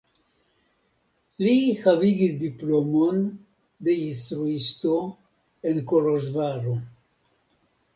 Li havigis diplomon de instruisto en Koloĵvaro.